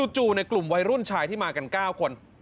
ในกลุ่มวัยรุ่นชายที่มากัน๙คน